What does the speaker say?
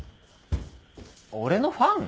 俺のファン？